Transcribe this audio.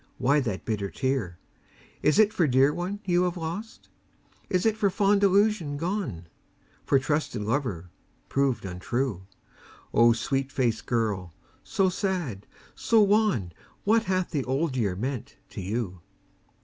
why that bitter tear? Is it for dear one you have lost? Is it for fond illusion gone? For trusted lover proved untrue? O sweet girl face, so sad, so wan What hath the Old Year meant to you?